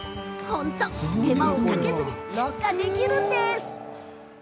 本当、手間をかけずに出荷できるんです。